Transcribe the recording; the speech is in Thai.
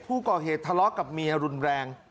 ผู้ก่อเหตุทะเลาะกับเมียรุนแรง